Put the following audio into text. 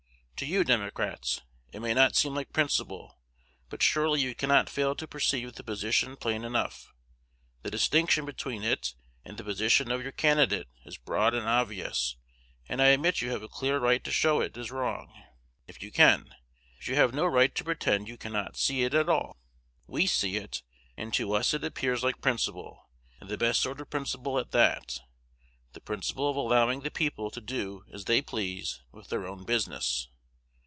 To you, Democrats, it may not seem like principle; but surely you cannot fail to perceive the position plain enough. The distinction between it and the position of your candidate is broad and obvious, and I admit you have a clear right to show it is wrong, if you can; but you have no right to pretend you cannot see it at all. We see it, and to us it appears like principle, and the best sort of principle at that, the principle of allowing the people to do as they please with their own business.